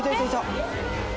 えっ？